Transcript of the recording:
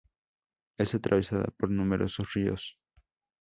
Es atravesada por numerosos ríos.